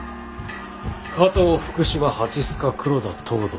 加藤福島蜂須賀黒田藤堂